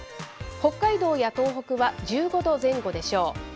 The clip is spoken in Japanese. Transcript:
北海道や東北は１５度前後でしょう。